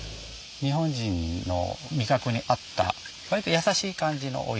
日本人の味覚に合った割と優しい感じのオイルですね。